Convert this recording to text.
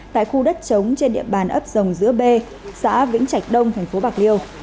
tại khu đất trống trên địa bàn ấp rồng giữa b xã vĩnh trạch đông thành phố bạc liêu